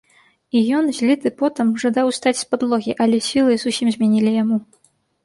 І ён, зліты потам, жадаў устаць з падлогі, але сілы зусім змянілі яму.